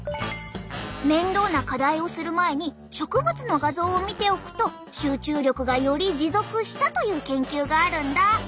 面倒な課題をする前に植物の画像を見ておくと集中力がより持続したという研究があるんだ。